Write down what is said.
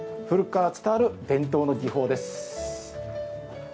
古くから伝わる伝統の技法です。